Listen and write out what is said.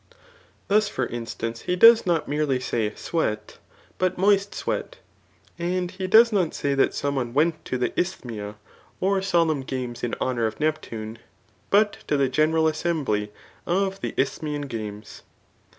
Thus, for instance, he does not merely say sweaty but moist s^eaL And he does not say that some one went to the Isthma \ot solemn games in honour of Neptune,] but to the general assembly of the Isthmian games.